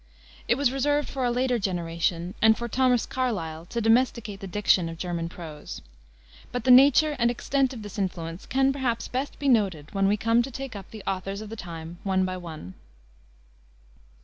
It was reserved for a later generation and for Thomas Carlyle to domesticate the diction of German prose. But the nature and extent of this influence can, perhaps, best be noted when we come to take up the authors of the time one by one.